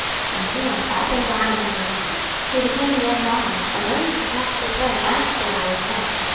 26:019:006 And he went up and down among the lions, he became a young lion, and learned to catch the prey, and devoured men.